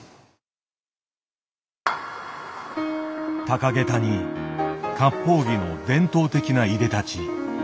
高げたに割烹着の伝統的ないでたち。